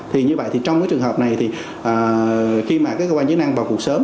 thì như vậy thì trong cái trường hợp này thì khi mà các cơ quan chức năng vào cuộc sớm